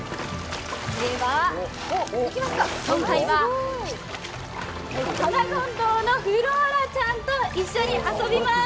では、今回はハナゴンドウのフローラちゃんと一緒に遊びます。